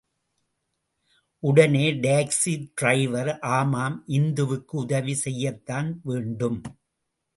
உடனே taxi driver, ஆமாம், இந்துவுக்கு உதவி செய்யத்தான் வேண்டும்.